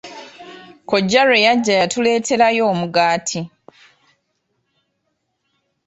Kkojja lwe yajja yatuleeterayo omugaati.